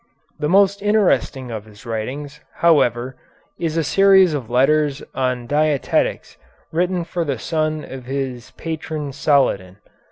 The most interesting of his writings, however, is a series of letters on dietetics written for the son of his patron Saladin.